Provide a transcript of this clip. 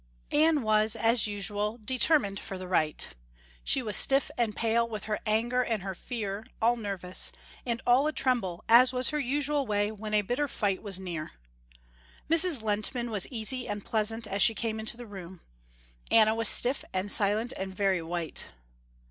Anna was, as usual, determined for the right. She was stiff and pale with her anger and her fear, and nervous, and all a tremble as was her usual way when a bitter fight was near. Mrs. Lehntman was easy and pleasant as she came into the room. Anna was stiff and silent and very white.